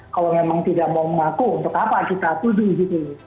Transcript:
kalau memang tidak mau mengaku untuk apa kita tuduh